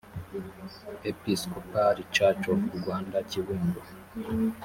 episcopal church of rwanda kibungo